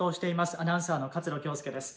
アナウンサーの勝呂恭佑です。